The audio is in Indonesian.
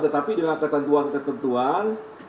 tetapi dengan ketentuan ketentuan